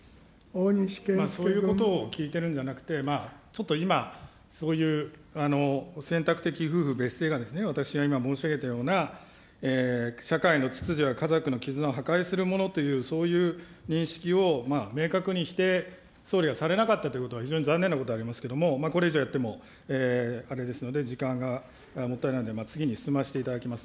そういうことを聞いてるんじゃなくて、ちょっと今、そういう、選択的夫婦別姓が、私が今申し上げたような社会の秩序や家族の絆を破壊するものという、そういう認識を明確にして、総理がされなかったということは、非常に残念なことでありますけれども、これ以上やってもあれですので、時間がもったいないので、次に進ませていただきます。